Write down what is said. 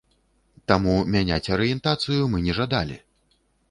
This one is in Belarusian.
Таму мяняць арыентацыю мы не жадалі!